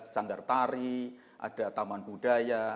sanggar tari ada taman budaya